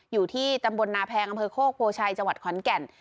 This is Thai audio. อยู่ที่ตำบลนาแพงบโคพูชัยจขวานแก่น